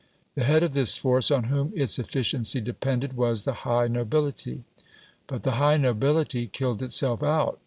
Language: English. The head of this force, on whom its efficiency depended, was the high nobility. But the high nobility killed itself out.